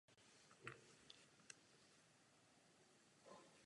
Vedle "Slovanské lípy" přispíval do časopisu "Čas" a deníku "Národní listy".